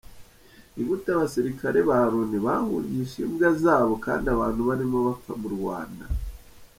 Ni gute abasirikare ba Loni bahungishije imbwa zabo kandi abantu barimo bapfa mu Rwanda.